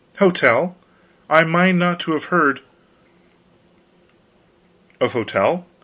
"Hotel? I mind not to have heard " "Of hotel?